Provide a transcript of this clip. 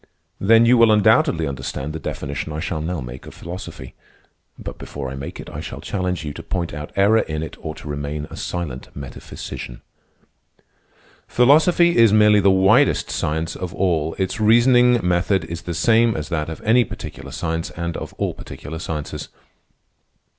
"Then you will undoubtedly understand the definition I shall now make of philosophy. But before I make it, I shall challenge you to point out error in it or to remain a silent metaphysician. Philosophy is merely the widest science of all. Its reasoning method is the same as that of any particular science and of all particular sciences.